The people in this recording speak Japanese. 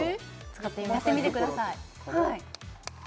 やってみてください